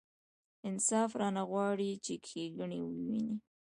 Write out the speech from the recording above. انصاف رانه غواړي چې ښېګڼې وینو.